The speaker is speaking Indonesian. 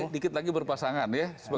dikit lagi berpasangan ya